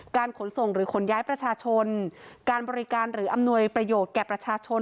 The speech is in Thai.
ขนส่งหรือขนย้ายประชาชนการบริการหรืออำนวยประโยชน์แก่ประชาชน